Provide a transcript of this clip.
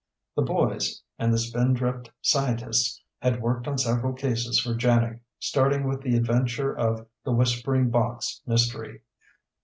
The boys, and the Spindrift scientists, had worked on several cases for JANIG, starting with the adventure of The Whispering Box Mystery.